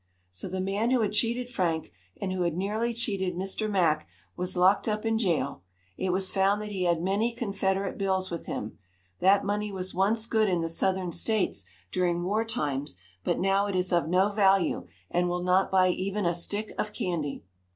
So the man who had cheated Frank, and who had nearly cheated Mr. Mack, was locked up in jail. It was found that he had many Confederate bills with him. That money was once good in the Southern States, during war times, but now it is of no value, and will not buy even a stick of candy.